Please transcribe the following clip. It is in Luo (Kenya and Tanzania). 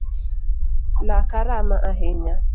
Laka rama ahinya.